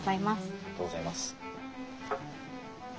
ありがとうございます。